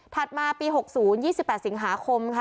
ถัดมาปี๖๐๒๘สิงหาคม